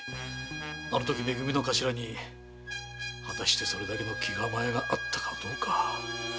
あのときめ組の頭に果たしてその気構えがあったかどうか。